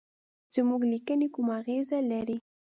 زموږ لیکني کومه اغیزه لري.